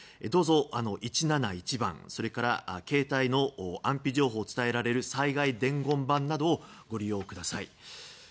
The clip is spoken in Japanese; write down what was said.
どうぞ１７１番それから携帯の安否情報を伝えられる災害伝言板をご利用ください。